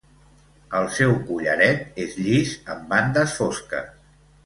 El seu collaret és llis amb bandes fosques.